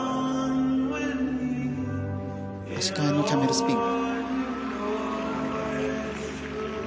足換えのキャメルスピン。